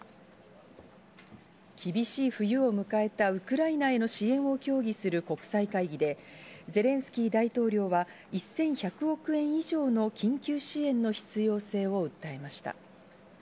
厳しい冬を迎えたウクライナへの支援を協議する国際会議で、ゼレンスキー大統領は１１００億円以上の緊急支援の必要性を訴えました。